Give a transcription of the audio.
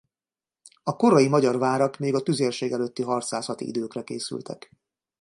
A korai magyar várak még a tüzérség előtti harcászati időkre készültek.